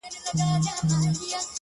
o ما خپل پښتون او خپل ياغي ضمير كي،